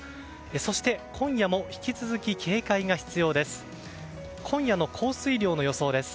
そして、今夜も引き続き警戒が必要です。